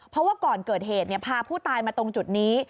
เพราะว่าก่อนเกิดเหตุพาผู้ตายมาตรงจุดนี้